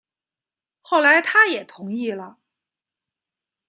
后来他也同意了